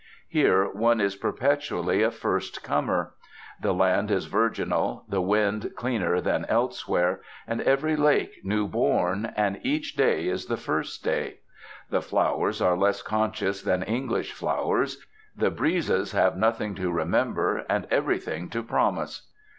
Here one is perpetually a first comer. The land is virginal, the wind cleaner than elsewhere, and every lake new born, and each day is the first day. The flowers are less conscious than English flowers, the breezes have nothing to remember, and everything to promise.